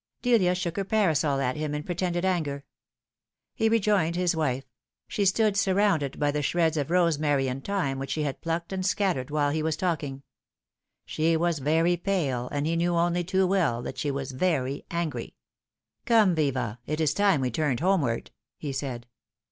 Delia shook her parasol at him in pretended anger. He rejoined his wife. She stood surrounded by the shreds of rosemary and thyme which she had plucked and scattered while he was talking. She was very pale, and he knew only too well that she was very angry. " Come, Viva, it is time we turned homeward," he said.